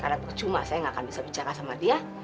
karena percuma saya gak akan bisa bicara sama dia